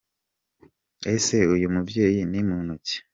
Ese uyu mubyeyi ni muntu ki?